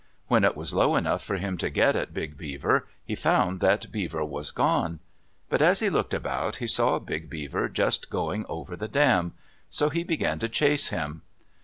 When it was low enough for him to get at Big Beaver, he found that Beaver was gone. But as he looked about, he saw Big Beaver just going over the dam. So he began to chase him.